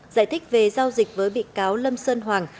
giải thích về giao dịch với bị cáo lâm sơn hoàng